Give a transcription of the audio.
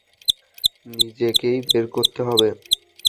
নিজেকেই বের করতে হবে।